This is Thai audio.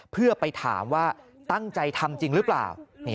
เพื่อไปถามว่าตั้งใจทำจริงหรือเปล่า